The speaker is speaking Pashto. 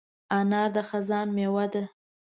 انار د خزان مېوه ده.